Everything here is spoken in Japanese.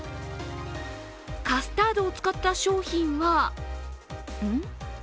カスタードを使った商品はん？